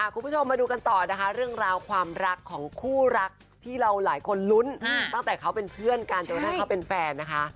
คุณผู้ชมมาดูกันต่อนะคะเรื่องราวความรักของคู่รักที่เราหลายคนลุ้นตั้งแต่เขาเป็นเพื่อนกันจนกระทั่งเขาเป็นแฟนนะคะ